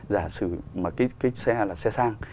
giả sử mà cái xe là xe sang